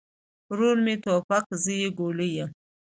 ورور مې توپک، زه يې ګولۍ يم